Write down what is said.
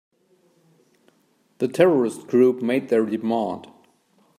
The terrorist group made their demand.